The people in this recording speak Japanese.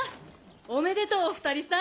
おめでとうお２人さん。